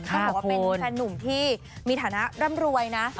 ต้องบอกว่าเป็นแฟนหนุ่มที่มีฐานะร่ำรวยนะ